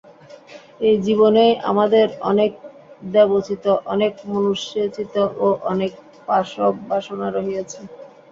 এই জীবনেই আমাদের অনেক দেবোচিত, অনেক মনুষ্যোচিত ও অনেক পাশব বাসনা রহিয়াছে।